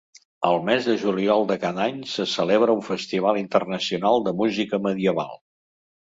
Al mes de juliol de cada any se celebra un festival internacional de música medieval.